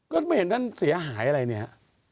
ก็ไม่เห็นท่านเสียหายอะไรเนี่ย